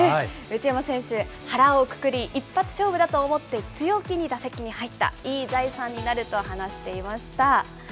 内山選手、腹をくくり一発勝負だと思って、強気に打席に入った、いい財産になると話していました。